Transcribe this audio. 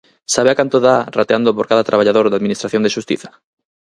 ¿Sabe a canto dá rateando por cada traballador da Administración de xustiza?